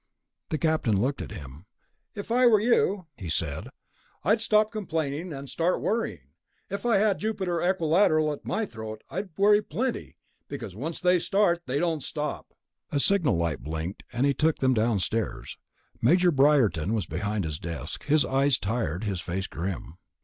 The Captain looked at him. "If I were you," he said, "I'd stop complaining and start worrying. If I had Jupiter Equilateral at my throat, I'd worry plenty, because once they start they don't stop." A signal light blinked, and he took them downstairs. Major Briarton was behind his desk; his eyes tired, his face grim.